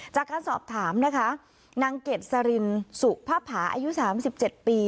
จากการสอบถามนะคะนางเกดสรินสุพภาอายุ๓๗ปี